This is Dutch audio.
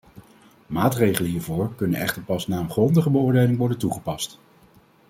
Maatregelen hiervoor kunnen echter pas na een grondige beoordeling worden toegepast.